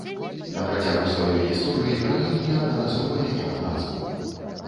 На працягу сваёй гісторыі раён неаднаразова мяняў назву.